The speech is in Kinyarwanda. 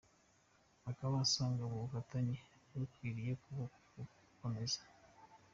Akaba asanga ubu bufatanye bukwiriye gukomeza.